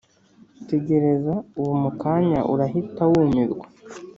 Tegereza ubu mukanya urahita wumirwa